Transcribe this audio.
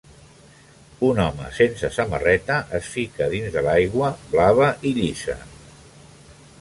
Un home sense samarreta es fica dins de l'aigua blava llisa.